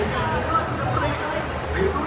ขอบคุณสไตล์รุ่นรับวันมาก